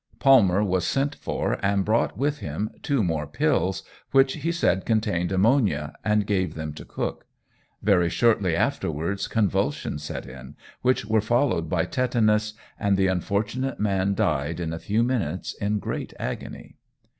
Palmer was sent for, and brought with him two more pills, which he said contained ammonia, and gave them to Cook. Very shortly afterwards convulsions set in, which were followed by tetanus, and the unfortunate man died in a few minutes in great agony.